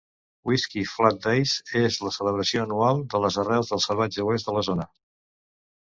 Whisky Flat Days és la celebració anual de les arrels del Salvatge Oest de la zona.